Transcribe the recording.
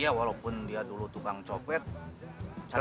iya walaupun dia dulu tukang copet cantik bisa